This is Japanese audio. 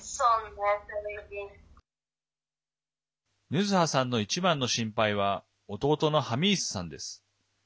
ヌズハさんの一番の心配は弟のハミースさんです。